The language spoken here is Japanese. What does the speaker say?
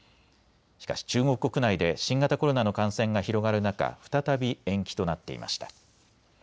しかし中国国内で新型コロナの感染が広がる中、再び延期となっていました。